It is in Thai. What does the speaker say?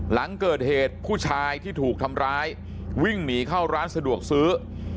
หลังเกิดเหตุผู้ชายที่ถูกทำร้ายวิ่งหนีเข้าร้านสะดวกซื้อ